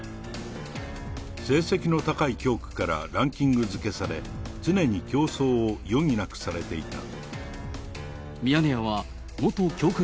成績の高い教区からランキング付けされ、常に競争を余儀なくされていた。